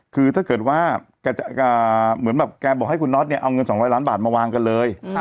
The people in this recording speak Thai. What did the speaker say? คือถ้าเกิดว่าเหมือนแบบแกบอกให้คุณน็อตเนี่ยเอาเงิน๒๐๐ล้านบาทมาวางกันเลย